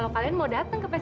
tapi kan gue seperti